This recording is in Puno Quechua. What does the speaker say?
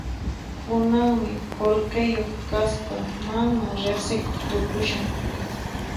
Kunanmi qullqiyuq kaspa mana riqsikuq tukushan.